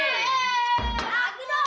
eh aku dong